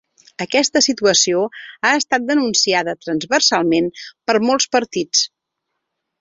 Aquesta situació ha estat denunciada transversalment per molts partits.